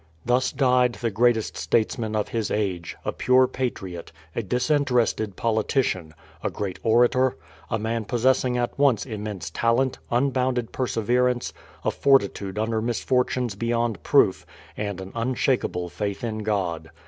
Thus died the greatest statesman of his age; a pure patriot, a disinterested politician, a great orator, a man possessing at once immense talent, unbounded perseverance, a fortitude under misfortunes beyond proof, and an unshakeable faith in God.